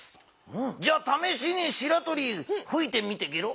じゃあためしにしらとりふいてみてゲロ？